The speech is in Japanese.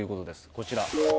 こちら。